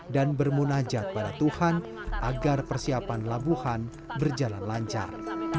dan bermunajat pada tuhan agar persiapan labuhan berjalan lancar